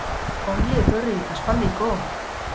Ongi etorri, aspaldiko!